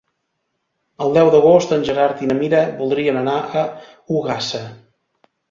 El deu d'agost en Gerard i na Mira voldrien anar a Ogassa.